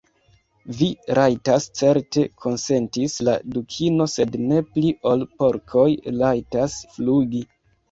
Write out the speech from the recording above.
"Vi rajtas certe," konsentis la Dukino, "sed ne pli ol porkoj rajtas flugi.